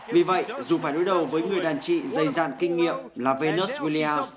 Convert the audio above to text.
vì vậy dù phải đối đầu với người đàn trị dày dàn kinh nghiệm là venus williams